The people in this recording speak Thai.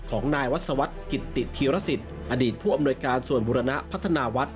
ของนายวัศวรรษกิตติธีรสิทธิ์อดีตผู้อำนวยการส่วนบุรณะพัฒนาวัด